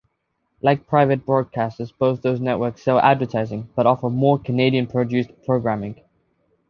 Like private broadcasters, both those networks sell advertising, but offer more Canadian-produced programming.